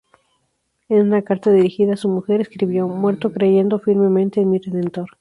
En una carta dirigida a su mujer, escribió: "Muero creyendo firmemente en mi Redentor".